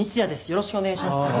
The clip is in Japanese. よろしくお願いします。